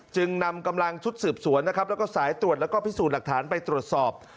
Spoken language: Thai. จึงนำกำลังชุดสืบสวนและสายตรวจและพิสูจน์หลักฐานไปตรวจสอบ